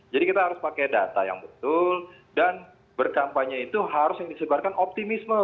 jadi kita harus pakai data yang betul dan berkampanye itu harus yang disebarkan optimisme